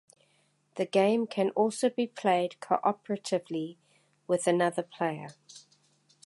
The game can also be played cooperatively with another player.